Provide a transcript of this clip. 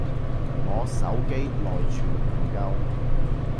我手機內存唔夠